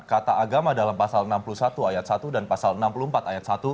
kata agama dalam pasal enam puluh satu ayat satu dan pasal enam puluh empat ayat satu